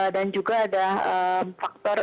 dan juga ada faktor